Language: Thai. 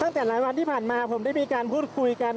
ตั้งแต่หลายวันที่ผ่านมาผมได้มีการพูดคุยกัน